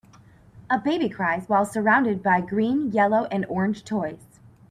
A baby cries while surrounded by green, yellow, and orange toys.